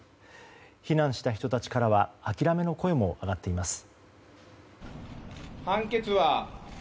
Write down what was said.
避難した人たちからは諦めの声も上がっています。